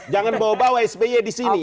jangan bawa bawa sby di sini